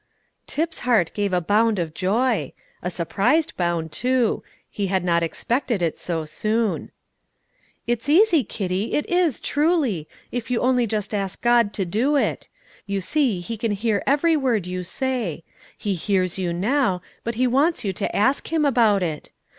Tip's heart gave a bound of joy a surprised bound, too; he had not expected it so soon. "It's easy, Kitty, it is, truly, if you only just ask God to do it. You see He can hear every word you say; He hears you now, but He wants you to ask Him about it.